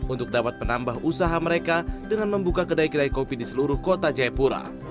untuk dapat menambah usaha mereka dengan membuka kedai kedai kopi di seluruh kota jayapura